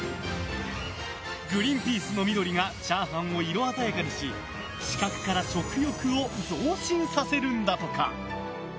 グリーンピースの緑がチャーハンを色鮮やかにし視覚から食欲を増進させるんだとか。